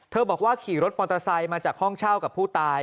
บอกว่าขี่รถมอเตอร์ไซค์มาจากห้องเช่ากับผู้ตาย